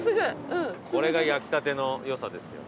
これが焼きたてのよさですよ。